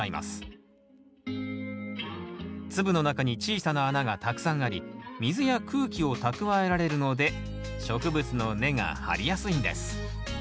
粒の中に小さな穴がたくさんあり水や空気を蓄えられるので植物の根が張りやすいんです。